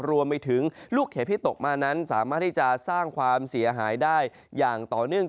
รวมไปถึงลูกเห็บที่ตกมานั้นสามารถที่จะสร้างความเสียหายได้อย่างต่อเนื่อง